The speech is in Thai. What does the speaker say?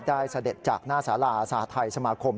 เสด็จจากหน้าสาราสหทัยสมาคม